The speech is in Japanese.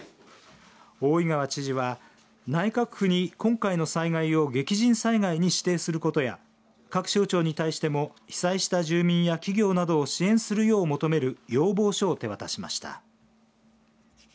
大井川知事は内閣府に今回の災害を激甚災害に指定することや各省庁に対しても被災した住民や企業などを支援するよう求める要望書を手渡しました。